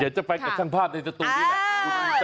เดี๋ยวจะไปกับช่างภาพในสตูนี่แหละ